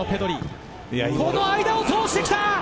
この間を通して来た。